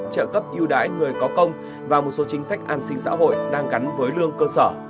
trợ cấp yêu đái người có công và một số chính sách an sinh xã hội đang cắn với lương cơ sở